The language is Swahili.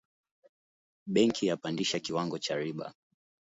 Benki yapandisha kiwango cha riba